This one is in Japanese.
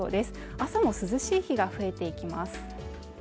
明日も涼しい日が増えていきます